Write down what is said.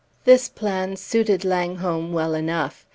This plan suited Langholm well enough.